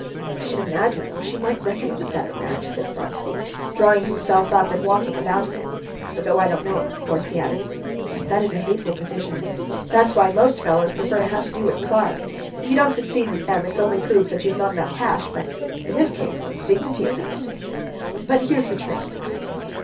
I should imagine, though, she might reckon on a better match," said Vronsky, drawing himself up and walking about again, "though I don't know him, of course," he added. "Yes, that is a hateful position! That's why most fellows prefer to have to do with Klaras. If you don't succeed with them it only proves that you've not enough cash, but in this case one's dignity's at stake. But here's the train."